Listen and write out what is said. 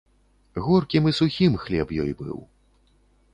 Горкім і сухім хлеб ёй быў.